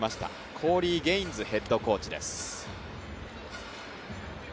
コーリー・ゲインズヘッドコーチです。